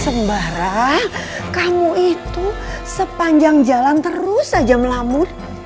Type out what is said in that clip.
sembahra kamu itu sepanjang jalan terus saja melamun